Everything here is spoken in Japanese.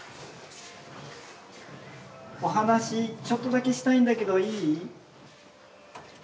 お話ちょっとだけしたいんだけどいい？